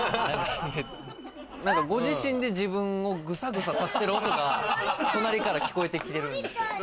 ご自身で自分グサグサ刺してる音が隣から聞こえてきてる。